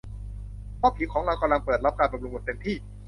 เพราะผิวของเรากำลังเปิดรับการบำรุงแบบเต็มที่